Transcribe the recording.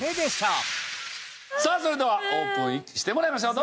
さあそれではオープンしてもらいましょう。